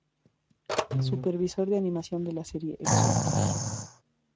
Supervisor de animación de la serie Exodus!